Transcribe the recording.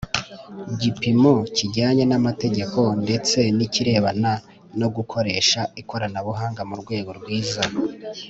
gipimo kijyanye n amategeko ndetse n ikirebana no gukoresha ikoranabuhanga mu rwego rwiza